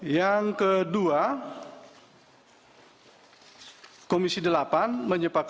yang kedua komisi delapan menyepakati